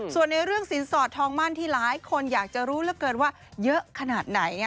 ส่วนในเรื่องสินสอดทองมันที่หลายคนอยากจะรู้เยอะขนาดไหน